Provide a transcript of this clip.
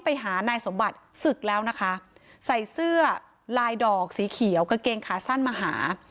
ไปหานายสมบัติศึกแล้วนะคะใส่เสื้อลายดอกสีเขียวกางเกงขาสั้นมาหา